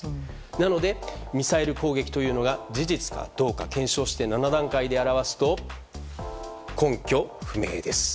なので、ミサイル攻撃というのが事実かどうか検証して７段階で表すと根拠不明です。